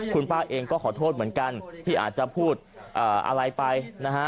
คุณป้าเองก็ขอโทษเหมือนกันที่อาจจะพูดอะไรไปนะฮะ